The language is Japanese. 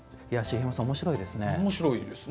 茂山さん、おもしろいですね。